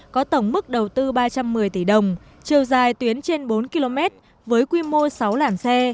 có tổng mức đầu tư ba trăm một mươi tỷ đồng chiều dài tuyến trên bốn km với quy mô sáu làn xe